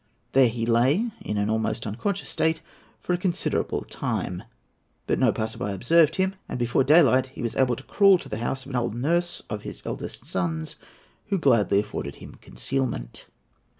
There he lay, in an almost unconscious state, for a considerable time. But no passer by observed him; and before daylight he was able to crawl to the house of an old nurse of his eldest son's, who gladly afforded him concealment.